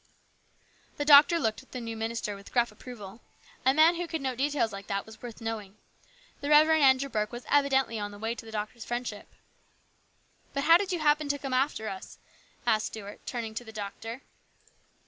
The doctor looked at the new minister with gruff approval. A man who could note details like that was worth knowing. The Rev. Andrew Burke was evidently on the way to the doctor's friendship. " But how did you happen to come after us ?" asked Stuart, turning to the doctor.